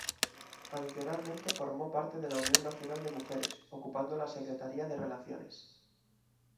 Adicionalmente formó parte de la Unión Nacional de Mujeres, ocupando la Secretaría de Relaciones.